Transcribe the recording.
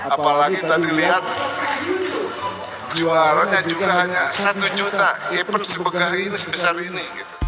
apalagi tadi lihat juaranya juga hanya satu juta kepen sebegainya sebesar ini